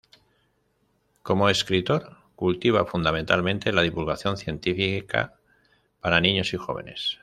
Como escritor, cultiva fundamentalmente la divulgación científica para niños y jóvenes.